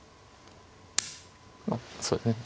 まあそうですね。